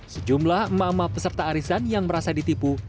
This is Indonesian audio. sejumlah emak emak peserta arisan yang merasa ditipu